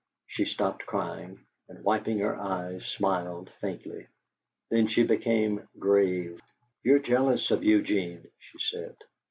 She stopped crying, and, wiping her eyes, smiled faintly. Then she became grave. "You're jealous of Eugene," she said.